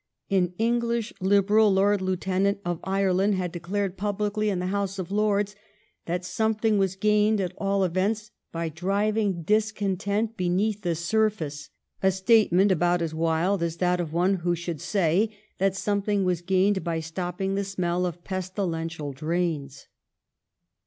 An English Liberal HOME RULE 36 1 Lord Lieutenant of Ireland had declared publicly in the House of Lords that something was gained at all events by driving discontent beneath the surface — a statement about as wild as that of one who should say that something was gained by stopping the smell of pestilential drains.